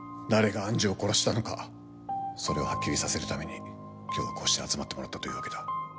誰が愛珠を殺したのかそれをはっきりさせるために今日はこうして集まってもらったというわけだ。